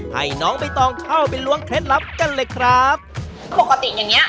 ให้น้องใบตองเข้าไปล้วงเคล็ดลับกันเลยครับปกติอย่างเงี้